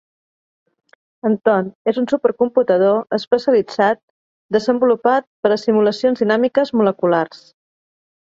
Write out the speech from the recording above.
Anton és un supercomputador especialitzat desenvolupat per a simulacions dinàmiques moleculars.